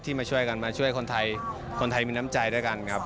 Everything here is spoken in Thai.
มาช่วยกันมาช่วยคนไทยคนไทยมีน้ำใจด้วยกันครับ